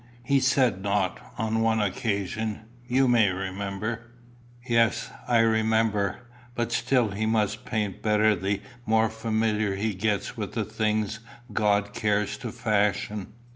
He said not, on one occasion, you may remember." "Yes, I remember. But still he must paint better the more familiar he gets with the things God cares to fashion."